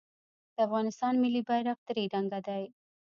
د افغانستان ملي بیرغ درې رنګه دی